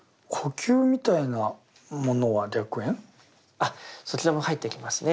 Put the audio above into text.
あっそちらも入ってきますね。